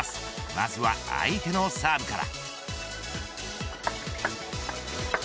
まずは相手のサーブから。